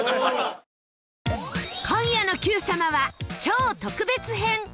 今夜の『Ｑさま！！』は超特別編。